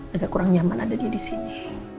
agak kurang nyaman ada dia disini